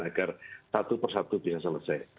agar satu persatu bisa selesai